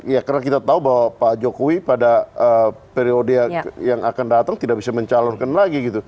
ya karena kita tahu bahwa pak jokowi pada periode yang akan datang tidak bisa mencalonkan lagi gitu